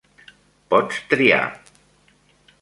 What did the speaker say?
Pots triar.